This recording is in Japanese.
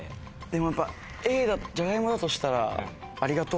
でもやっぱＡがじゃがいもだとしたら。